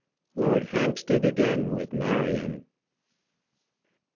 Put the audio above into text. LORD HAMPSTEAD AGAIN WITH MARION.